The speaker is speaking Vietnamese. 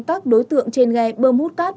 các đối tượng trên ghe bơm hút cát